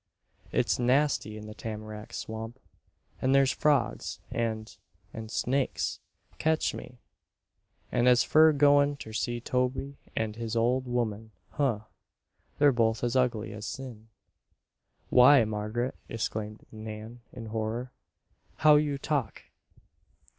"It's nasty in the Tam'rack swamp; and there's frogs and, and snakes. Ketch me! And as fur goin' ter see Tobe and his old woman, huh! They're both as ugly as sin." "Why, Margaret!" exclaimed Nan, in horror. "How you talk!"